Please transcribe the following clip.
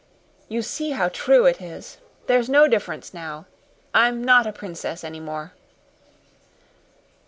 You see how true it is. There's no difference now. I'm not a princess anymore."